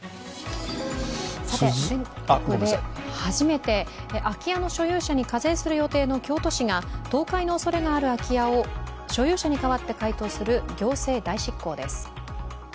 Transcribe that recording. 全国で初めて空き家の所有者に課税する予定の京都市が倒壊のおそれのある空き家を所有者に代わって倒壊する行政代執行です。